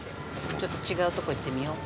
ちょっと違うとこ行ってみよう。